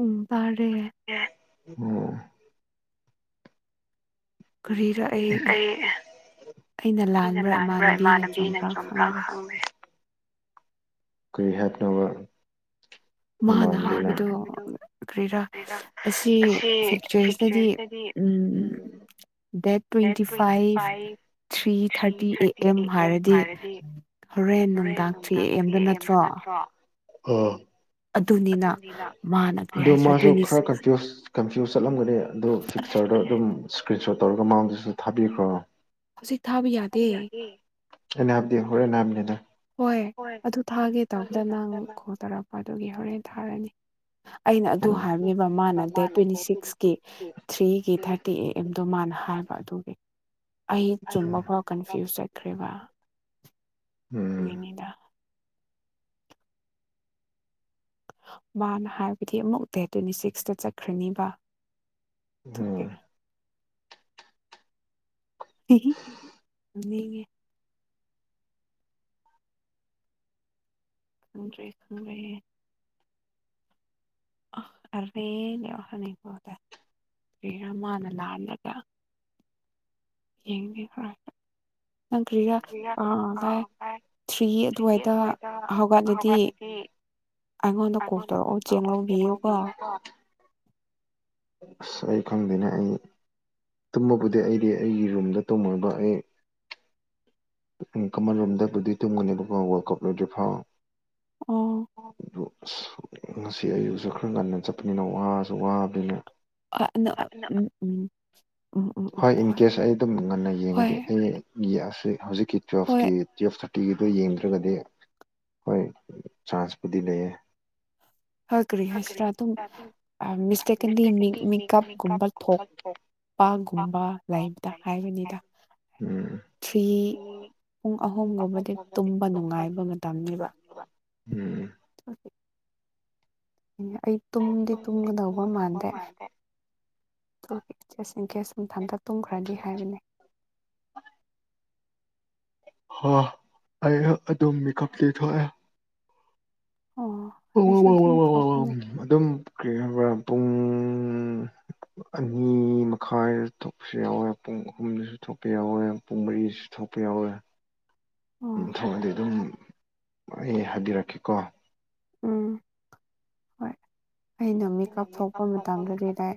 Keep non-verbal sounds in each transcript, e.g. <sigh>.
ꯎꯝ ꯇꯥꯔꯦ ꯎꯝ ꯀ꯭ꯔꯤꯔ ꯑꯩ ꯑꯩꯅ ꯂꯥꯟꯕ꯭ꯔꯥ ꯏꯃꯥꯟꯅꯕꯤꯅ ꯆꯨꯡꯕ꯭ꯔꯥ ꯈꯪꯪꯗꯦ ꯀ꯭ꯔꯤ ꯍꯤꯏꯔꯛ ꯇꯧꯔ ꯃꯥꯅ ꯍꯥꯏꯕꯗꯣ ꯀ꯭ꯔꯤꯔꯥ ꯑꯁꯤ ꯐꯤꯛꯆꯔꯁꯤꯅꯗꯤ um uh date twenty five three thirty A M ꯍꯥꯏꯔꯗꯤ ꯍꯣꯔꯦꯟ ꯅꯨꯡꯗꯥꯡ three A M three A ꯑꯦꯝꯇ ꯅꯠꯇ꯭ꯔꯣ ꯑꯣ ꯑꯗꯨꯅꯤꯅ ꯃꯥꯅ ꯀꯔꯤ ꯑꯗꯨ ꯍꯥꯏꯁꯤꯔꯥ ꯃꯥꯁꯨ ꯇ꯭ꯋꯦꯟꯇꯤ ꯈꯔ ꯁꯤꯛꯁ ꯀꯟꯐ꯭ꯨꯌꯁ ꯀꯟꯐ꯭ꯌꯨꯁ ꯆꯠꯂꯝꯒꯅꯤ ꯑ ꯑꯗꯨ ꯑꯗꯣ ꯑꯗꯨꯝ ꯏꯁꯀ꯭ꯔꯤꯟ ꯁꯣꯠ ꯇꯧꯔꯒ ꯃꯥꯡꯗꯁꯨ ꯊꯥꯕꯤꯈ꯭ꯔꯣ ꯔ ꯍꯧꯖꯤꯛ ꯊꯥꯕ ꯌꯥꯗꯦ ꯑꯦꯅꯥꯝꯗꯤ ꯍꯣꯔꯦꯟ ꯅꯝꯅꯤꯗ ꯍꯣꯏ ꯑꯗꯨ ꯊꯥꯒꯦ ꯇꯧꯕꯗ ꯅꯪ ꯀꯣꯜ ꯇꯧꯔꯛꯄ ꯑꯗꯨꯒꯤ ꯍꯣꯔꯦꯟ ꯊꯥꯔꯅꯤ ꯑꯩꯅ ꯑꯗꯨ ꯍꯥꯏꯕꯅꯦꯕ ꯃꯥꯅ ꯗꯦꯠ ꯇ꯭ꯋꯦꯟꯇꯤ ꯁꯤꯛꯁꯀꯤ ꯊ꯭ꯔꯤꯒꯤ ꯊꯥꯔꯇꯤ ꯑꯦ ꯑꯦꯝꯗꯣ ꯃꯥꯅ ꯅ ꯉꯍꯥꯏꯕ ꯑꯗꯨꯒꯤ ꯑꯩ ꯆꯨꯝꯕ ꯐꯥꯎ ꯀꯟꯐ꯭ꯌꯨꯁ ꯆꯠꯈ꯭ꯔꯦꯕ ꯎꯝ ꯑꯣꯏꯅꯤꯗ ꯃꯥꯅ ꯍꯥꯏꯕꯗꯤ ꯑꯃꯨꯛ ꯗꯦꯠ ꯇ꯭ꯋꯦꯟꯇꯤ ꯁꯤꯛꯁꯇ ꯆꯠꯈ꯭ꯔꯅꯤꯕ ꯑꯗꯨꯒꯤ ꯎꯝ ꯍꯤꯍꯝ ꯅꯣꯛꯅꯤꯡ ꯑ ꯈꯪꯗ꯭ꯔꯦ ꯈꯪꯗ꯭ꯔꯦ <unintelligible> ꯀ ꯃꯥꯅ ꯂꯥꯜꯂꯒ ꯌꯦꯡꯉꯈ꯭ꯔꯣꯒ ꯅꯪ ꯀ꯭ꯔꯤꯔ ꯚꯥꯏ ꯊꯤꯌꯦꯘ ꯑꯗꯨꯋꯥꯏꯗ ꯍꯧꯒꯠꯂꯗꯤ ꯑꯩꯉꯣꯟꯗ ꯀꯣꯜ ꯇꯧꯔꯛꯑꯣ ꯆꯦꯡ ꯂꯧꯕꯤꯌꯨꯀꯣ ꯁ ꯑꯩꯈꯗꯅ ꯑꯩ ꯇꯨꯝꯃꯕꯨꯗꯤ ꯑꯩꯗꯤ ꯑꯩꯒꯤ ꯔꯨꯝꯗ ꯇꯨꯝꯃꯕ ꯑꯩ ꯄꯨꯛꯅꯤꯡ ꯀꯃꯜꯔꯣꯝꯗꯕꯨꯗꯤ ꯇꯨꯝꯒꯅꯤꯕꯀꯣ ꯋꯥꯔꯜ ꯀꯞ ꯂꯣꯏꯗ꯭ꯔꯤ ꯐꯥꯎ ꯑꯣ <unintelligible> ꯉꯁꯤ ꯑꯌꯨꯛꯁꯨ ꯈꯔ ꯉꯟꯅ ꯆꯠꯄꯅꯤꯅ ꯋꯥꯁꯨ ꯋꯥꯕꯅꯤꯅ ꯎꯝ ꯎꯝ ꯎꯝ ꯎꯝ ꯎꯝ ꯍꯣꯏ ꯏꯟ ꯀꯦꯁ ꯑꯩ ꯑꯗꯨꯝ ꯉꯟꯅ ꯍꯣꯏ ꯌꯦꯡꯉꯒꯣ ꯑꯩ ꯍꯧꯖꯤꯛꯀꯤ ꯍꯣꯏ ꯇꯨꯋꯦꯞꯀꯤ ꯇꯨꯋꯦꯞ ꯇꯤꯚꯗꯣ ꯌꯦꯡꯗ꯭ꯔꯒꯗꯤ ꯍꯣꯏ ꯆꯥꯟꯁꯄꯨꯗꯤ ꯂꯩꯌꯦ ꯍꯥ ꯈ꯭ꯔꯤ ꯍꯥꯏꯁꯤꯔ ꯑꯗꯨꯝ ꯃꯤꯁꯇꯦꯛꯀꯟꯗꯤ ꯃꯤꯀꯞꯒꯨꯝꯕ ꯊꯣꯛ ꯄꯥꯒꯨꯝꯕ ꯂꯩꯕꯗ ꯍꯥꯏꯕꯅꯤꯗ ꯎꯝ ꯊ꯭ꯔꯤ ꯄꯨꯡ ꯑꯍꯨꯝꯒꯨꯝꯕꯗꯤ ꯇꯨꯝꯕ ꯅꯨꯡꯉꯥꯏꯕ ꯃꯇꯝꯅꯤꯕ ꯎꯝ ꯑꯩ ꯇꯨꯝꯗꯤ ꯇꯨꯝꯒꯗꯧꯕ ꯃꯥꯟꯗꯦ ꯇꯦꯁꯤꯡ ꯀꯦꯁꯨꯝꯊꯟꯇ ꯇꯨꯝꯈ꯭ꯔꯗꯤ ꯍꯥꯏꯕꯅꯤ ꯍ ꯑꯩ ꯑꯗꯨꯡ ꯃꯀꯞꯇꯤ ꯊꯣꯛꯑꯦ ꯑꯣ ꯑꯩꯁꯨ ꯑꯗꯨꯝ ꯊꯣꯛꯄꯅꯦ ꯑꯗꯨꯝ ꯀꯩ ꯍꯥꯏꯕ ꯄꯨꯡ ꯑꯅꯤ ꯃꯈꯥꯏꯗ ꯊꯣꯛꯄꯁꯨ ꯌꯥꯎꯋꯦ ꯄꯨꯡ ꯑꯍꯨꯝꯗꯁꯨ ꯊꯣꯛꯄ ꯌꯥꯎꯋꯦ ꯄꯨꯡ ꯃꯔꯤꯁꯨ ꯊꯣꯛꯄ ꯌꯥꯎꯋꯦ ꯎꯝ ꯑꯣ ꯊꯝꯑꯗꯤ ꯑꯗꯨꯝ ꯑꯩ ꯍꯥꯏꯕꯤꯔꯛꯀꯦꯀꯣ ꯎꯝ ꯍꯣꯏ ꯑꯩꯅ ꯃꯤꯀꯞ ꯊꯣꯛꯄ ꯃꯇꯝꯗꯗꯤ ꯂꯥꯛ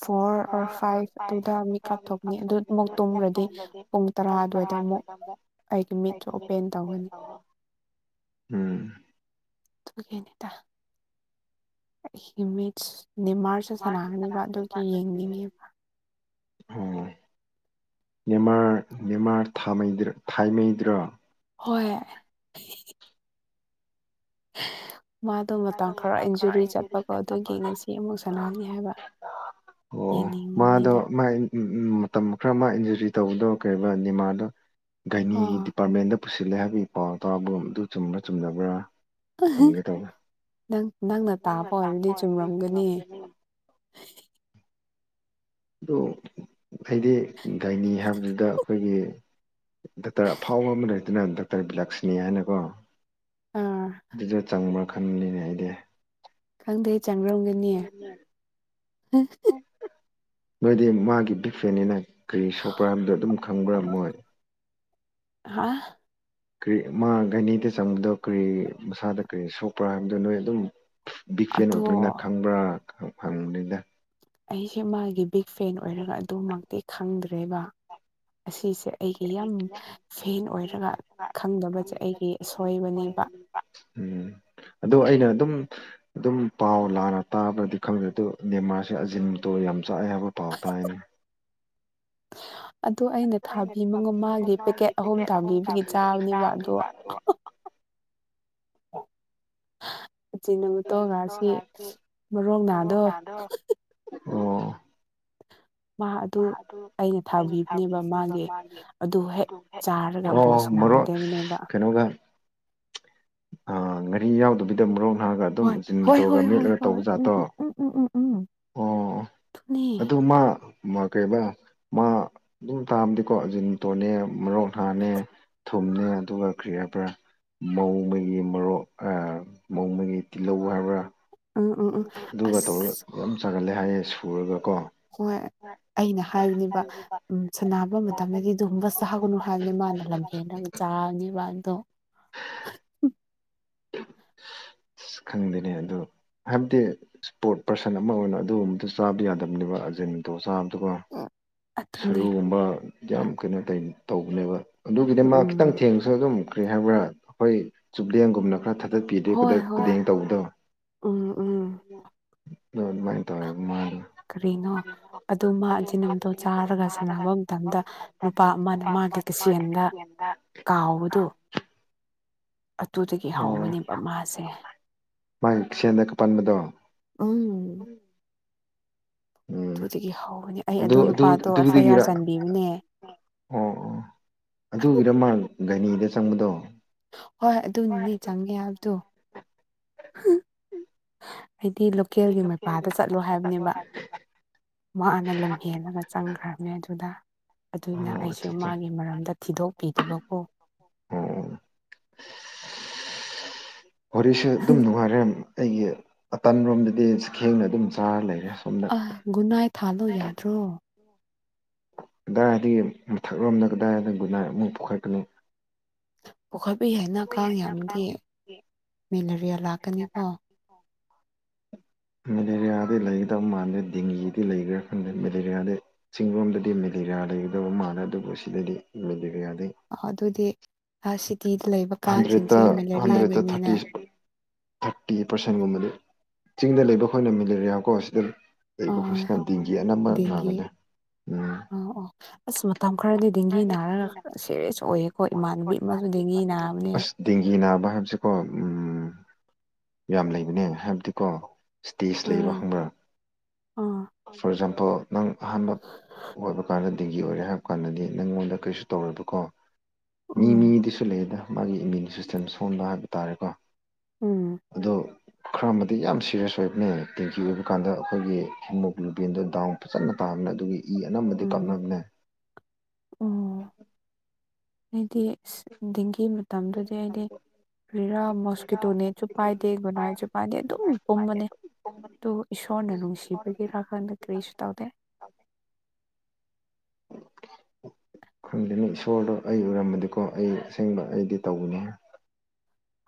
ꯐꯣꯔ ꯑꯣꯔ ꯐꯥꯏꯚ ꯑꯗꯨꯗ ꯃꯤꯀꯞ ꯊꯣꯛꯅꯤ ꯑꯗꯨꯃꯨꯛ ꯇꯨꯝꯔꯗꯤ ꯄꯨꯡ ꯇꯔꯥ ꯑꯗꯨꯋꯥꯏ <unintelligible> ꯑꯩꯒꯤ ꯃꯤꯠꯇꯨ ꯑꯣꯄꯦꯟ ꯇꯧꯒꯅꯤ ꯎꯝ ꯑꯗꯨꯒꯤꯅꯦꯗ ꯃꯤꯠꯁ ꯅꯦꯃꯥꯔꯁꯨ ꯁꯥꯟꯅꯒꯅꯤꯕ ꯑꯗꯨꯒꯤ ꯌꯦꯡꯅꯤꯡꯉꯦꯕ ꯑꯣ ꯅꯦꯃꯥꯔ ꯅꯦꯃꯥꯔ ꯊꯥꯃꯩ ꯊꯥꯏꯃꯩꯗꯨꯔꯥ ꯍꯣꯏ <inaudible> ꯃꯥꯗꯣ ꯃꯇꯝ ꯈꯔ ꯏꯟꯖꯨꯔꯤ ꯆꯠꯄꯀꯣ ꯑꯗꯨꯒꯤ ꯉꯁꯤ ꯑꯃꯨꯛ ꯁꯥꯟꯅꯍꯟꯅꯤ ꯍꯥꯏꯕ ꯑꯣ ꯃꯥꯗꯣ ꯌꯦꯡꯅꯤꯡꯕꯅꯤꯗ ꯃꯥꯏ ꯃꯇꯝ ꯈ꯭ꯔ ꯃ ꯏꯟꯖꯨꯔꯤ ꯇꯧꯕꯗꯣ ꯀꯩꯕ ꯅꯦꯃꯥꯔꯗꯣ ꯒꯥꯏꯅꯤ ꯑꯣ ꯗꯤꯄꯥꯔꯃꯦꯟ ꯗ ꯄꯨꯁꯤꯜꯂꯦ ꯍꯥꯏꯕꯤ ꯄꯥꯎ ꯇꯥꯕꯒꯨꯝ ꯗꯨ ꯆꯨꯝꯕ꯭ꯔ ꯆꯨꯝꯗꯕ꯭ꯔ ꯍꯪꯒꯦ ꯇꯧꯅꯦ ꯅꯪ ꯅꯪꯅ ꯇꯥꯕ ꯑꯣꯏꯔꯗꯤ ꯆꯨꯝꯔꯝꯒꯅꯤ ꯑꯗꯨ ꯑꯩꯗꯤ ꯒꯥꯏꯅꯤ ꯍꯥꯏꯕꯗꯨꯗ ꯑꯩꯈꯣꯏꯒꯤ ꯗꯛꯇꯔ ꯑꯐꯥꯎꯕ ꯑꯃ ꯂꯩꯗꯅ ꯗꯛꯇꯔ ꯕꯤꯂꯥꯁꯤꯅꯤ ꯍꯥꯏꯅꯀꯣ ꯑꯥ ꯈꯟꯂꯤꯅꯦ ꯑꯩꯗꯤ ꯈꯪꯗꯦ ꯆꯪꯔꯝꯒꯅꯤ ꯅꯣꯏꯗꯤ ꯃꯥꯒꯤ ꯕꯤꯛ ꯐꯦꯟꯅꯤꯅ ꯀꯔꯤ ꯁꯣꯛꯄ꯭ꯔ ꯍꯥꯏꯕꯗꯣ ꯑꯗꯨꯝ ꯈꯪꯕ꯭ꯔ ꯃꯣꯏ ꯍꯥꯥ ꯀ꯬ꯔꯤ ꯃꯥ ꯒꯥꯏꯅꯤꯗ ꯆꯪꯕꯗꯣ ꯀꯔꯤ ꯃꯁꯥꯗ ꯀꯔꯤ ꯁꯣꯛꯄ꯭ꯔ ꯍꯥꯏꯕꯗꯣ ꯅꯣꯏ ꯑꯗꯨꯝ ꯕꯤꯛ ꯐꯦꯟ ꯑꯗꯣ ꯑꯣꯏꯕꯅꯤꯅ ꯈꯪꯕ꯭ꯔ ꯍꯪꯕꯅꯤꯗ ꯑꯩꯁꯦ ꯃꯥꯒꯤ ꯕꯤꯛ ꯐꯦꯟ ꯑꯣꯏꯔꯒ ꯑꯗꯨꯃꯛꯇꯤ ꯈꯪꯗ꯭ꯔꯦꯕ ꯑꯁꯤꯁꯦ ꯑꯩꯒꯤ ꯌꯥꯝ ꯐꯦꯟ ꯑꯣꯏꯔꯒ ꯈꯪꯗꯕꯁꯦ ꯑꯩꯒꯤ ꯑꯁꯣꯏꯕꯅꯦꯕ ꯎꯝ ꯑꯗꯨ ꯑꯩꯅ ꯑꯗꯨꯝ ꯑꯗꯨꯝ ꯄꯥꯎ ꯂꯥꯟꯅ ꯇꯥꯕ꯭ꯔꯗꯤ ꯈꯪꯗ꯭ꯔꯦ ꯑꯗꯨ ꯅꯦꯃꯥꯔꯁꯦ ꯑꯖꯤꯃꯤꯇꯣ ꯌꯥꯝ ꯆꯥꯏ ꯍꯥꯏꯕ ꯄꯥꯎ ꯇꯥꯏꯅꯦ ꯑꯗꯣ ꯑꯩꯅ ꯊꯥꯕꯤꯕꯉꯣ ꯃꯥꯒꯤ ꯄꯦꯛꯀꯦꯠ ꯑꯍꯨꯝ ꯊꯥꯕꯤꯕꯒꯤ ꯆꯥꯕꯅꯦꯕ ꯑꯗꯣ ꯑꯖꯤꯅꯃꯣꯇꯣꯒꯁꯤ ꯃꯔꯣꯜꯒꯗꯣ <inaudible> ꯑꯣ <inaudible> ꯃꯥ ꯑꯗꯨ ꯑꯩꯅ ꯊꯥꯕꯤꯕꯅꯦꯕ ꯃꯥꯒꯤ ꯑꯗꯨ ꯍꯦꯛ ꯆꯥꯔꯒ ꯕꯣꯜ ꯁꯥꯅ ꯔꯣ ꯀꯩꯅꯣꯒ ꯑꯥ ꯉꯥꯔꯤ ꯌꯥꯎꯗꯕꯤꯗ ꯃꯣꯔꯣꯛ ꯉꯥꯒ ꯑꯗꯨꯝ ꯍꯣꯏ ꯍꯣꯏ ꯖꯤꯟꯃꯣꯇꯣꯒ ꯍꯣꯏ ꯍꯣꯏ ꯃꯦꯠꯂꯒ ꯍꯣꯏ ꯇꯧꯕ ꯎꯝ ꯖꯥꯠꯇꯣ ꯎꯝ ꯎꯝ ꯎꯝ ꯎꯝ ꯎꯝ ꯑꯣ ꯑꯗꯨꯅꯦ ꯑꯗꯨ ꯃꯥ ꯀꯩꯔꯤꯕ ꯃꯥ ꯑꯗꯨꯝ ꯆꯥꯕꯅꯤꯀꯣ ꯑꯖꯤꯟꯃꯣꯇꯣꯅꯦ ꯃꯣꯔꯣꯛ ꯍꯥꯥꯅꯦ ꯊꯨꯝꯅꯦ ꯑꯗꯨꯒ ꯀ꯭ꯔꯤ ꯍꯥꯏꯕꯔ ꯃꯧ ꯃꯣꯏꯒꯤ ꯃꯔꯣꯛ ꯑ ꯃꯣꯡꯕꯒꯤ ꯇꯤꯜꯍꯧ ꯍꯥꯏꯕ꯭ꯔ ꯎꯝ ꯎꯝ ꯎꯝ ꯑꯁ ꯑꯗꯨꯒ ꯇꯧꯔꯒ ꯌꯥꯝ ꯆꯥꯒꯜꯂꯦ ꯍꯥꯏꯌꯦ ꯁꯨꯔꯒ ꯀꯣ ꯍꯣꯏ ꯑꯩꯅ ꯍꯥꯏꯕꯅꯦꯕ ꯎꯝ ꯁꯥꯟꯅꯕ ꯃꯇꯝꯗꯗꯤ ꯑꯗꯨꯒꯨꯝꯕ ꯆꯥꯒꯅꯨ ꯍꯥꯏꯕꯅꯦ ꯃꯥꯅ ꯂꯝ ꯍꯦꯟꯔꯒ ꯇꯔꯅꯦꯕ ꯑꯗꯣ <inaudible> ꯈꯪꯗꯦꯅꯦ ꯑꯗꯣ ꯍꯥꯏꯕꯗꯤ ꯁ꯭ꯄꯣꯔꯠ ꯄꯥꯔꯁꯟ ꯑꯃ ꯑꯣꯏꯅ ꯑꯗꯨꯒꯨꯝꯕꯗꯨ ꯆꯥꯕ ꯌꯥꯗꯕꯅꯦꯕ ꯑꯔꯖꯦꯟꯃꯣꯇꯣ ꯆꯥꯕ ꯑꯗꯨꯒ ꯑꯗꯨꯅꯦ ꯁꯥꯔꯨꯒꯨꯝꯕ ꯌꯥꯝ ꯀꯩꯅꯣ ꯇꯧ ꯇꯧꯕꯅꯦꯕ ꯑꯗꯨꯒꯤꯗꯤ ꯃꯥ ꯈꯤꯇꯪ ꯎꯝ ꯊꯦꯡꯁꯨ ꯑꯗꯨꯝ ꯀ꯭ꯔꯤ ꯍꯥꯏꯕ꯭ꯔ ꯑꯩꯈꯣꯏ ꯆꯨꯞꯂꯦꯟꯒꯨꯝꯅ ꯈꯔ ꯊꯝ ꯄꯤꯗꯦ ꯈꯨꯗ ꯍꯣꯏ ꯍꯣꯏ ꯈꯨꯗꯦꯡ ꯇꯧꯕꯗꯣ ꯑꯗꯣ ꯑꯗꯨꯃꯥꯏꯅ <unintelligible> ꯇꯧꯋꯦꯕ ꯃꯥꯗꯣ ꯀ꯭ꯔꯤꯅꯣ ꯑꯗꯨ ꯃꯥ ꯑꯖꯤꯅꯃꯣꯇꯣ ꯆꯥꯔꯒ ꯁꯥꯟꯅꯕ ꯃꯇꯝꯗ ꯅꯨꯄꯥ ꯑꯃꯅ ꯃꯥꯒꯤ ꯀꯤꯁꯦꯟꯗ ꯀꯥꯎꯕꯗꯣ <unintelligible> ꯑꯗꯨꯗꯒꯤ ꯑꯣ ꯍꯥꯎꯕꯅꯦꯕ ꯃꯥꯁꯦ ꯃꯥꯒꯤ ꯈꯨꯁꯦꯟꯗ ꯄꯟꯕꯗꯣ ꯎꯝ ꯎꯝ ꯑꯗꯨꯗꯒꯤ ꯍꯧꯕꯅꯦ ꯑꯩ ꯑꯗꯨ ꯅꯨꯄꯥꯗꯣ ꯑꯦꯐ ꯑꯥꯏ ꯑꯥꯔ ꯆꯥꯟꯕꯤꯕꯅꯦ ꯑꯣ ꯑꯣ ꯑꯗꯨꯒꯤꯔ ꯃꯥ ꯒꯥꯏꯅꯤꯗ ꯆꯪꯕꯗꯣ ꯍꯣꯏ ꯑꯗꯨꯅꯅꯦ ꯆꯪꯉꯦ ꯍꯥꯏꯕꯗꯣ <inaudible> ꯑꯩꯗꯤ ꯂꯣꯀꯦꯜꯒꯤ ꯃꯩꯄꯥꯗ ꯆꯠꯂꯣ ꯍꯥꯏꯕꯅꯦꯕ ꯃꯍꯥꯛꯅ ꯂꯝꯍꯦꯜꯂꯒ ꯆꯪꯈ꯭ꯔꯝꯅꯦ ꯑꯗꯨꯗ ꯑꯗꯨꯅ ꯑꯣ ꯑꯩꯁꯨ ꯑꯠꯆꯥ ꯑꯠꯆꯥ ꯃꯥꯒꯤ ꯃꯔꯝꯗ ꯊꯤꯗꯣꯛꯄꯤꯗꯕꯀꯣ <inaudible> ꯋꯥꯔꯤꯁꯨ ꯑꯗꯨꯝ ꯅꯨꯡꯉꯥꯏꯔꯦ ꯑꯩꯒꯤ ꯑꯇꯟꯔꯣꯝꯗꯗꯤ ꯁ꯭ꯈꯦꯡꯅ ꯑꯗꯨꯝ ꯆꯥꯔ ꯂꯩꯔꯦ ꯁꯣꯝꯗ ꯑ ꯒꯨꯅꯥꯏ ꯊꯥꯜꯂꯣ ꯌꯥꯗ꯭ꯔꯣ ꯀꯗꯥꯏꯗꯒꯤ ꯃꯊꯛꯂꯣꯝꯗ ꯀꯗꯥꯏꯗ ꯒꯨꯅꯥꯏ ꯑꯃꯨꯛ ꯄꯨꯈꯠꯀꯅꯤ ꯄꯣꯛꯈꯠꯄ ꯌꯥꯏꯅ ꯀꯥꯡ ꯌꯥꯝꯃꯗꯤ ꯃꯦꯂꯔꯤꯌꯥ ꯂꯥꯛꯀꯅꯤꯀꯣ <inaudible> ꯃꯦꯂꯦꯔꯤꯌꯥꯗꯤ ꯂꯩꯒꯗꯕ ꯃꯥꯟꯗꯦ ꯗꯦꯡꯒꯤꯗꯤ ꯂꯩꯈꯕ꯭ꯔꯥ ꯈꯪꯗꯦ ꯃꯦꯂꯦꯔꯤꯌꯥꯗꯤ ꯆꯤꯡꯔꯣꯝꯗꯗꯤ ꯃꯦꯂꯦꯔꯤꯌꯥ ꯂꯩꯒꯗꯕ ꯃꯥꯜꯂꯦ ꯑꯗꯨꯕꯨ ꯁꯤꯗꯗꯤ ꯃꯦꯂꯦꯔꯤꯌꯥ ꯑ ꯑꯗꯨꯗꯤ ꯁꯤꯇꯤꯗ ꯂꯩꯕ ꯍꯟꯗ꯭ꯔꯦꯠꯇ ꯀꯥꯡꯁꯤꯡꯁꯦ ꯍꯟꯗ꯭ꯔꯦꯠꯇ ꯊꯥꯔꯇꯤ ꯃꯦꯂꯦꯔꯤꯌꯥꯒꯤꯅꯤꯅꯦ ꯊꯥꯔꯇꯤ ꯄꯥꯔꯁꯦꯟꯒꯨꯝꯕꯗꯤ ꯆꯤꯡꯗ ꯂꯩꯕ ꯑꯩꯈꯣꯏꯅ ꯃꯦꯂꯦꯔꯤꯌꯥꯀꯣ ꯁꯤꯗ ꯂꯩ ꯑꯩꯈꯣꯏꯁꯤꯗ ꯗꯤꯡꯒꯤ ꯑꯅꯝꯕ ꯗꯦꯡꯒꯤ ꯅꯥꯒꯜꯂꯦ ꯎꯝ ꯑꯣ ꯑꯣ ꯑꯁ ꯃꯇꯝ ꯈꯔꯗꯤ ꯗꯦꯡꯒꯤ ꯅꯥꯔꯒ ꯁꯦꯔꯤꯁ ꯑꯣꯏꯌꯦꯀꯣ ꯏꯃꯥꯟꯅꯕꯤ ꯑꯃꯁꯨ ꯗꯦꯡꯒꯤꯅ ꯑꯁ ꯗꯦꯡꯒꯤ ꯅꯥꯕ ꯍꯥꯏꯕꯁꯤꯀꯣ ꯎꯝ ꯌꯥꯝ ꯂꯩꯕꯅꯦ ꯍꯥꯏꯕꯗꯤꯀꯣ ꯏꯁꯇꯦꯖ ꯂꯩꯕ ꯑꯥ ꯈꯪꯕ꯭ꯔꯥ ꯑꯥ ꯐꯣꯔ ꯑꯦꯛꯖꯥꯝꯄꯜ ꯅꯪ ꯑꯍꯥꯟꯕ ꯑꯣꯏꯕ ꯀꯥꯟꯗ ꯗꯦꯡꯒꯤ ꯑꯣꯏꯔꯦ ꯍꯥꯏꯕ ꯀꯥꯟꯗꯗꯤ ꯅꯪꯉꯣꯟꯗ ꯀꯩꯁꯨ ꯇꯧꯔꯣꯏꯕꯀꯣ ꯃꯤ ꯎꯝ ꯃꯤꯗꯁꯨ ꯂꯩꯌꯦꯗ ꯃꯥꯒꯤ ꯏꯃ꯭ꯌꯨꯟ ꯁꯤꯁꯇꯦꯝ ꯁꯣꯟꯕ ꯍꯥꯏꯕ ꯇꯥꯔꯦꯀꯣ ꯎꯝ ꯑꯗꯣ ꯈ꯭ꯔ ꯑꯃꯗꯤ ꯌꯥꯝ ꯁꯤꯔꯤꯌꯁ ꯑꯣꯏꯕꯅꯦ ꯗꯦꯡꯒꯤ ꯑꯣꯏꯕ ꯀꯥꯟꯗ ꯑꯩꯈꯣꯏꯒꯤ ꯍꯤꯃꯣꯒ꯭ꯂꯨꯕꯤꯟꯗꯣ ꯗꯥꯎꯟ ꯐꯖꯅ ꯇꯥꯕꯅꯦ ꯑꯗꯨꯒꯤ ꯏ ꯑꯅꯝꯕꯗꯤ ꯎꯝ ꯀꯞꯅꯕꯅꯦ ꯑꯣ ꯑꯩꯗꯤ ꯗꯦꯡꯒꯤ ꯃꯇꯝꯗꯨꯗꯤ ꯑꯩꯗꯤ ꯀ꯭ꯔꯤꯔꯥ ꯃꯣꯁꯀꯤꯇꯣ ꯅꯦꯠꯁꯨ ꯄꯥꯏꯗꯦ ꯒꯨꯅꯥꯁꯨ ꯄꯥꯏꯗꯦ ꯑꯗꯨꯝ ꯄꯨꯝꯕꯅꯦ ꯑꯗꯨ ꯁꯣꯟꯅ ꯅꯨꯡꯁꯤꯕꯒꯤ ꯔꯒꯗ ꯀ꯭ꯔꯤꯁꯨ ꯇꯥꯎꯗꯦ <inaudible> <unintelligible> ꯈꯪꯗꯅꯤ ꯏꯁꯣꯔꯗꯣ ꯑꯩ ꯎꯔꯝꯕꯗꯤꯀꯣ ꯑꯩ ꯑꯁꯦꯡꯕ ꯑꯩꯗꯤ ꯇꯧꯒꯅꯤ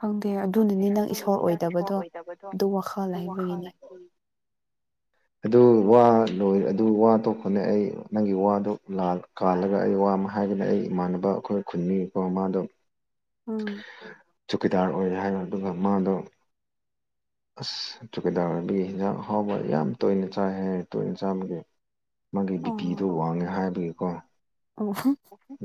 ꯈꯪꯗꯦ ꯑꯗꯨꯅꯅꯤ ꯅꯪ ꯏꯁꯣꯔ ꯑꯣꯏꯗꯕꯗꯣ ꯑꯗꯨ ꯋꯥꯈꯜ ꯂꯩꯕꯒꯤꯅꯤ ꯑꯗꯣ ꯋꯥ ꯂꯣꯏ ꯑꯗꯨ ꯋꯥ ꯇꯣꯛꯄꯅꯦ ꯑꯩ ꯅꯪꯒꯤ ꯋꯥꯗꯣ ꯀꯥꯜꯂꯒ ꯑꯩ ꯋꯥ ꯑꯃ ꯍꯥꯏꯒꯅꯦ ꯑꯩ ꯏꯃꯥꯟꯅꯕ ꯑꯈꯣꯏ ꯈꯨꯟꯃꯤꯀꯣ ꯃꯥꯗꯣ ꯎꯝ ꯆꯧꯀꯤꯗꯥꯔ ꯑꯣꯏ ꯍꯥꯏꯔꯣ ꯑꯗꯨꯒ ꯃꯥꯗꯣ ꯑꯁ ꯆꯨꯀꯦꯗꯥꯔꯕꯤ ꯍꯤꯟꯖꯥꯡ ꯍꯥꯎꯕ ꯌꯥꯝ ꯇꯣꯏꯅ ꯆꯥꯏꯍꯦ ꯇꯣꯏꯅ ꯆꯥꯕꯒꯦ ꯃꯥꯒꯤ ꯕꯤꯄꯤꯗꯣ ꯑꯣ ꯋꯥꯡꯉꯦ ꯍꯥꯏꯕꯒꯤꯀꯣ ꯑꯣ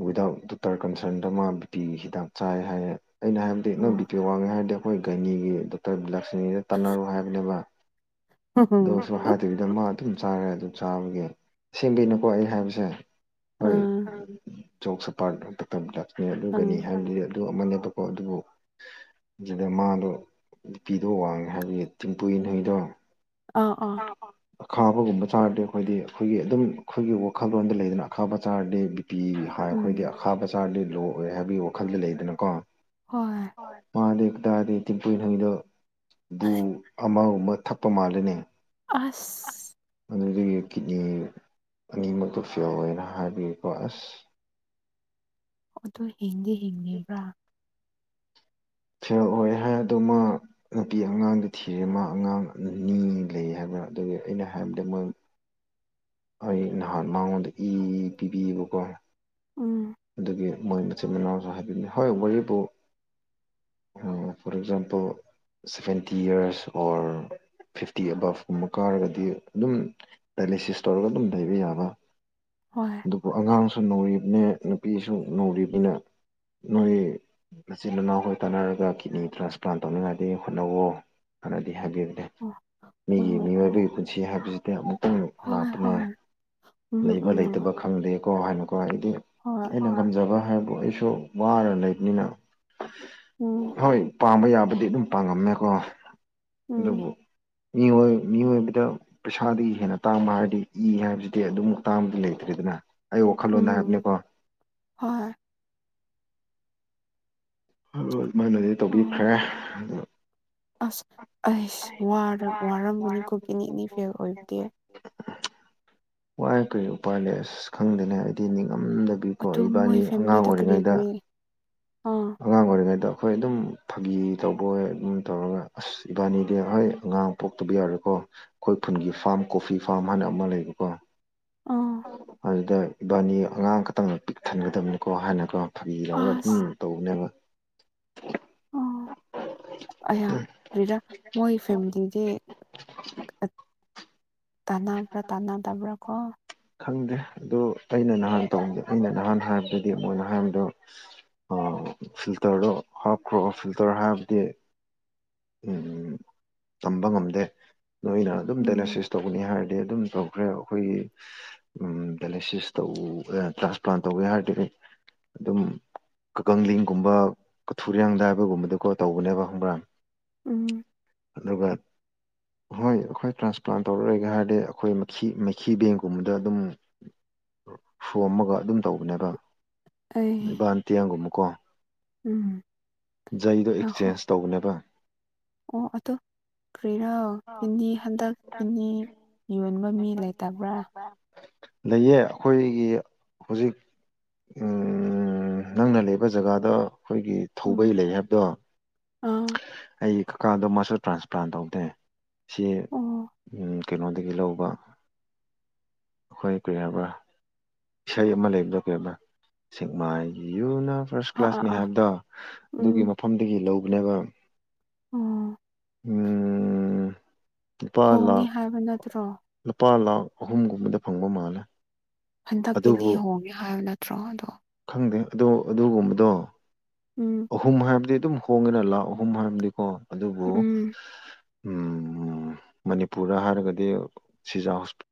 ꯋꯤꯗꯥꯎꯠ ꯗꯣꯛꯇꯔ ꯀꯟꯁꯔꯟꯗ ꯑꯃ ꯕꯤꯄꯤꯒꯤ ꯍꯤꯗꯥꯛ ꯆꯥꯏ ꯍꯥꯏꯌꯦ ꯑꯩꯅ ꯍꯥꯏꯕꯗꯤ ꯅꯪ ꯕꯤꯄꯤ ꯋꯥꯡꯉꯦ ꯍꯥꯏꯔꯗꯤ ꯑꯩꯈꯣꯏ ꯒꯥꯏꯅꯤꯒꯤ ꯗꯣꯛꯇꯔ ꯕꯤ ꯂꯥꯁꯤꯅꯤꯗ ꯇꯥꯟꯅꯔꯨ ꯍꯥꯏꯕꯅꯦꯕ ꯎꯝ ꯑꯗꯨꯁꯨ ꯍꯥꯏꯗꯕꯤꯗ ꯃꯥ ꯑꯗꯨꯝ ꯆꯥꯔꯦ ꯑꯗꯨ ꯆꯥꯕꯒꯤꯁꯦꯡ ꯑꯩꯅ ꯍꯥꯏꯕꯁꯦ ꯑꯥ ꯌꯣꯡ ꯁꯄꯥꯔꯇ ꯕꯣꯟꯇꯇꯣꯝ ꯑꯗꯨꯝꯒꯅꯤ ꯎꯝ ꯍꯥꯏꯕꯗꯤ ꯑꯗꯨ ꯑꯃꯅꯦꯕꯀꯣ ꯑꯗꯣ ꯑꯗꯨꯗ ꯃꯥꯗꯣ ꯅꯨꯄꯤꯗꯣ ꯋꯥꯡꯉꯦ ꯍꯥꯏꯕꯒꯤ ꯇꯝꯄꯨꯏ ꯏꯟꯅꯩꯗꯣ ꯑꯥ ꯑꯥ ꯑꯈꯥꯕꯒꯨꯝꯕ ꯆꯥꯔꯗꯤ ꯑꯩꯈꯣꯏꯗꯤ ꯑꯩꯈꯣꯏꯒꯤ ꯑꯗꯨꯝ ꯑꯩꯈꯣꯏꯒꯤ ꯋꯥꯈꯜꯂꯣꯟꯗ ꯂꯩꯗꯅ ꯑꯈꯥꯕ ꯆꯥꯔꯗꯤ ꯄꯤ ꯍꯥꯏ ꯎꯝ ꯍꯥꯏꯗꯤ ꯑꯈꯥꯕꯆꯥꯥꯔꯗꯤ ꯂꯣ ꯑꯣꯏ ꯍꯥꯏꯕꯒꯤ ꯋꯥꯈꯜꯗ ꯂꯩꯗꯅꯀꯣ ꯍꯣꯏ ꯃꯥꯗꯦ ꯇꯗꯦ ꯇꯤꯟꯄꯨꯏꯅ ꯍꯪꯉꯤꯗꯣ ꯕꯨ ꯑꯃꯒꯨꯝꯕ ꯊꯛꯄ ꯃꯥꯜꯂꯦꯅꯦ ꯑꯁ ꯑꯗꯨꯗꯒꯤ ꯀꯤꯠꯅꯤ ꯑꯅꯤꯃꯛꯇꯣ ꯐꯦꯜ ꯑꯣꯏꯌꯦꯅ ꯍꯥꯏꯕꯒꯤꯀꯣ ꯑꯁ ꯑꯗꯨ ꯍꯤꯡꯗꯤ ꯍꯤꯡꯉꯤꯕ꯭ꯔꯥ ꯐꯦꯜ ꯑꯣꯏ ꯍꯥꯏ ꯑꯗꯣ ꯃꯥ ꯅꯨꯄꯤ ꯑꯉꯥꯡꯗꯤ ꯊꯤꯔꯦ ꯃꯥ ꯑꯉꯥꯡ ꯑꯅꯤ ꯂꯩ ꯍꯥꯏꯕ ꯑꯗꯨꯒꯤ ꯑꯩꯅ ꯍꯥꯏꯕꯗꯤ ꯃꯣꯏ ꯑꯩ ꯅꯍꯥꯟ ꯃꯉꯣꯟꯗ ꯏ ꯄꯤꯕꯤꯌꯦꯕꯀꯣ ꯎꯝ ꯑꯗꯨꯒꯤ ꯃꯣꯏ ꯃꯆꯤꯟ ꯃꯅꯥꯎꯁꯨ ꯍꯥꯏꯕꯤꯅꯤ ꯍꯣꯏ ꯋꯥꯔꯤꯕꯨ for example seventy years or fifty ꯑꯕꯥꯞꯀꯨꯝꯕ ꯀꯥꯔꯒꯗꯤ ꯑꯗꯨꯝ ꯗꯥꯏꯂꯦꯁꯤꯁ ꯇꯧꯔꯒ ꯑꯗꯨꯝ ꯂꯩꯕ ꯌꯥꯕ ꯍꯣꯏ ꯑꯗꯨꯕꯨ ꯑꯉꯥꯡꯁꯨ ꯅꯧꯔꯤꯕꯅꯦ ꯅꯨꯄꯤꯁꯨ ꯅꯧꯔꯤꯕꯅꯦ ꯅꯣꯏ ꯃꯆꯤꯜ ꯃꯅꯥꯎꯈꯣꯏ ꯇꯥꯟꯅꯔꯒ ꯀꯤꯠꯅꯤ ꯇ꯭ꯔꯥꯟꯁꯄ꯭ꯂꯥꯟ ꯇꯧꯅꯤꯡꯉꯥꯏꯗꯤ ꯍꯣꯠꯅꯧꯋꯣ ꯍꯥꯟꯅꯗꯤ ꯍꯥꯏꯕꯤꯕꯅꯦ ꯑꯣ ꯃꯤꯒꯤ ꯑꯣ ꯃꯤꯑꯣꯏꯕꯒꯤ ꯄꯨꯟꯁꯤ ꯍꯥꯏꯕꯁꯤꯗꯤ ꯑꯃꯨꯛ ꯇꯪ ꯍꯣꯏ ꯂꯥꯛꯄꯅꯦ ꯍꯣꯏ ꯎꯝ ꯂꯩꯕ ꯎꯝ ꯂꯩꯇꯕ ꯈꯪꯗꯦ ꯀꯣ ꯍꯥꯏꯅꯀꯣ ꯍꯥꯏꯗꯤ ꯍꯣꯏ ꯑꯩꯅ ꯉꯝꯖꯕ ꯍꯥꯏꯕꯕꯨ ꯑꯩꯁꯨ ꯋꯥꯔ ꯂꯩꯕꯅꯤꯅ ꯎꯝ ꯍꯣꯏ ꯄꯥꯝꯕ ꯌꯥꯕꯗꯤ ꯑꯗꯨꯝ ꯄꯥꯡꯉꯝꯃꯦꯀꯣ ꯎꯝ ꯑꯗꯨꯕꯨ ꯃꯤꯑꯣꯏ ꯃꯤꯑꯣꯏꯕꯗ ꯄꯩꯁꯥꯗꯒꯤ ꯍꯦꯟꯅ ꯇꯥꯡꯕ ꯍꯥꯏꯔꯗꯤ ꯏ ꯍꯥꯏꯕꯁꯤꯗꯤ ꯑꯗꯨꯝ ꯇꯥꯡꯕꯗꯤ ꯂꯩꯇ꯭ꯔꯦ ꯅ ꯑꯩ ꯎꯝ ꯋꯥꯈꯜꯂꯣꯟꯗ ꯍꯥꯏꯕꯅꯤꯀꯣ ꯍꯣꯏ ꯍꯥ ꯑꯗꯨꯃꯥꯏꯅꯗꯤ ꯑꯣ ꯇꯧꯕꯤꯈ꯭ꯔꯦ ꯑꯁ ꯑꯩꯁ ꯋꯥꯔ ꯋꯥꯔꯝꯒꯅꯤꯀꯣ ꯀꯤꯠꯅꯤꯑꯅꯤ ꯐꯦꯜ ꯑꯣꯏꯕꯗꯤ ꯋꯥꯏ ꯀꯔꯤ ꯎꯄꯥꯏ ꯂꯩ ꯑꯁ ꯈꯪꯗꯅꯦ ꯍꯥꯏꯗꯤ ꯅꯤꯡ ꯉꯝꯗꯕꯤꯀꯣ ꯑꯗꯨ ꯃꯣꯏ ꯏꯕꯥꯅꯤ ꯑꯉꯥꯡ ꯐꯦꯃꯤꯂꯤꯗꯣ ꯀꯔꯤ ꯑꯣꯏꯔꯤꯉꯩꯗ ꯀꯔꯤ ꯑꯥ ꯑꯉꯥꯡ ꯑꯣꯏꯔꯤꯉꯩꯗ ꯑꯩꯈꯣꯏ ꯑꯗꯨꯝ ꯐꯥꯒꯤ ꯇꯧꯕꯣꯏ ꯑꯗꯨꯝ ꯇꯧꯔꯒ ꯑꯁ ꯏꯕꯥꯅꯤꯗꯤ ꯍꯣꯏ ꯑꯉꯥꯡ ꯄꯣꯛꯇꯕ ꯌꯥꯔꯣꯏꯀꯣ ꯑꯩꯈꯣꯏ ꯈꯨꯟꯒꯤ ꯐꯥꯝ ꯀꯣꯐꯤ ꯐꯥꯔꯝ ꯍꯥꯏꯅ ꯑꯃ ꯂꯩꯕꯀꯣ ꯑꯥ ꯑꯗꯨꯗ ꯏꯕꯥꯅꯤ ꯑꯉꯥꯡ ꯈꯛꯇꯪ ꯄꯤꯛ ꯊꯟꯒꯗꯕꯅꯤꯀꯣ ꯍꯥꯏꯅꯀꯣ ꯐꯒꯤ ꯇꯧꯔꯒ ꯑꯗꯨꯝ ꯑꯁ ꯇꯧꯕꯅꯦꯕ ꯑꯥ <inaudible> ꯑꯌꯥ ꯔꯤꯔ ꯃꯣꯏ ꯐꯦꯃꯤꯂꯤꯗꯤ ꯇꯅꯥꯕ꯭ꯔꯥ ꯇꯥꯅꯗꯕ꯭ꯔꯥ ꯀꯣ ꯈꯪꯗꯦ ꯑꯗꯨ ꯑꯩꯅ ꯅꯍꯥꯟ ꯇꯧꯗꯦ ꯑꯩꯅ ꯅꯍꯥꯟ ꯍꯥꯏꯕꯗꯗꯤ ꯃꯣꯏꯅ ꯍꯥꯏꯕꯗꯣ ꯑꯥ ꯐꯤꯜꯇ꯭ꯔꯗꯣ ꯍꯥꯞꯈ꯭ꯔꯣ ꯐꯤꯜꯇ꯭ꯔ ꯍꯞꯇꯦ ꯎꯝ ꯎꯝ ꯇꯝꯕ ꯉꯝꯗꯦ ꯅꯣꯏꯅ ꯑꯗꯨꯝ ꯎꯝ ꯗꯥꯏꯂꯦꯁꯤꯁ ꯇꯧꯒꯅꯤ ꯍꯥꯏꯔꯗꯤ ꯑꯗꯨꯝ ꯇꯧꯈ꯭ꯔꯦ ꯑꯩꯈꯣꯏꯒꯤ ꯎꯝ ꯗꯥꯏꯂꯥꯏꯁꯤꯁ ꯇꯧ ꯇ꯭ꯔꯥꯟꯁꯄ꯭ꯂꯥꯟ ꯇꯧꯋꯦ ꯍꯥꯏꯔꯗꯤ ꯑꯗꯨꯝ ꯀꯀꯪꯂꯤꯡꯒꯨꯝꯕ ꯀꯊꯨꯔꯦꯡꯗ ꯍꯥꯏꯕꯒꯨꯝꯕꯗꯀꯣ ꯇꯧꯕꯅꯦꯕ ꯈꯪꯕ꯭ꯔꯥ ꯎꯝ ꯑꯗꯨꯒ ꯍꯣꯏ ꯑꯩꯈꯣꯏ ꯇ꯭ꯔꯥꯟꯁꯄ꯭ꯂꯥꯟ ꯇꯧꯔꯔꯣꯏꯒꯦ ꯍꯥꯏꯔꯗꯤ ꯑꯩꯈꯣꯏ ꯃꯊꯤ ꯃꯩꯍꯤ ꯕꯦꯡ ꯒꯨꯝꯕꯗ ꯑꯗꯨꯝ ꯁꯣꯝꯃꯒ ꯑꯗꯨꯝ ꯇꯧꯕꯅꯦꯕ ꯑꯩ ꯕꯥꯟ ꯇꯤꯌꯥꯡ ꯒꯨꯝꯕꯀꯣ ꯎꯝ ꯖꯩꯗꯣ ꯉꯥꯏꯈꯣ ꯑꯦꯛꯆꯦꯟꯁ ꯇꯧꯕꯅꯦꯕ ꯑꯣ ꯑꯗꯣ ꯀꯔꯤꯔꯣ ꯀꯤꯗꯅꯤ ꯈꯟꯗꯛ ꯀꯤꯗꯅꯤ ꯌꯣꯟꯕ ꯃꯤ ꯂꯩꯇꯕ꯭ꯔꯥ ꯂꯩꯌꯦ ꯑꯩꯈꯣꯏꯒꯤ ꯍꯧꯖꯤꯛ ꯎꯝ ꯅꯪꯅ ꯂꯩꯕ ꯖꯒꯥꯗꯣ ꯑꯩꯈꯣꯏꯒꯤ ꯎꯝ ꯊꯧꯕꯩ ꯂꯩ ꯍꯥꯏꯕꯗꯣ ꯑꯥ ꯑꯩ ꯀꯀꯥꯗꯣ ꯃꯁꯨ ꯇ꯭ꯔꯥꯟꯁꯄ꯭ꯂꯥꯟ ꯇꯧꯗꯦ ꯁꯤ ꯑꯣ ꯎꯝ ꯀꯩꯅꯣꯗꯒꯤ ꯂꯧꯕ ꯑꯩꯈꯣꯏ ꯀꯔꯤ ꯍꯥꯏꯕ꯭ꯔ ꯏꯁꯩ ꯑꯃ ꯂꯩꯕꯗꯣ ꯀꯩꯕ ꯁꯦꯛꯃꯥꯏꯒꯤ ꯌꯨꯅ ꯐꯥꯔꯁ ꯑꯥ ꯑꯥ ꯀ꯭ꯂꯥꯁꯅꯦ ꯑꯥ ꯍꯥꯏꯕꯗꯣ ꯑꯗꯨꯒꯤ ꯎꯝ ꯃꯐꯝꯗꯒꯤ ꯂꯧꯕꯅꯦꯕ ꯑꯣ ꯎꯝ ꯂꯨꯄꯥ ꯂꯥꯛ ꯍꯣꯡꯉꯦ ꯍꯥꯏꯕ ꯅꯠꯇ꯭ꯔꯣ ꯂꯨꯄꯥ ꯂꯥꯛ ꯑꯍꯨꯝꯒꯨꯝꯕꯗ ꯐꯪꯕ ꯃꯥꯜꯂꯦ ꯍꯟꯗꯛꯀꯤ ꯅꯤ ꯑꯗꯨꯕꯨ ꯍꯣꯡꯉꯦ ꯍꯥꯏꯕ ꯅꯠꯇ꯭ꯔꯣ ꯑꯗꯣ ꯈꯪꯗꯦ ꯑꯗꯣ ꯑꯗꯨꯒꯨꯝꯕꯗꯣ ꯎꯝ ꯑꯍꯨꯝ ꯍꯥꯏꯕꯗꯤ ꯑꯗꯨꯝ ꯍꯣꯡꯉꯦꯅ ꯂꯥꯛ ꯑꯍꯨꯝ ꯍꯥꯏꯔꯕꯗꯤꯀꯣ ꯑꯗꯨꯕꯨ ꯎꯝ ꯎꯝ ꯃꯅꯤꯄꯨꯔꯗ ꯍꯥꯏꯔꯒꯗꯤ ꯁꯤꯖꯥ ꯍꯣꯁꯄꯤ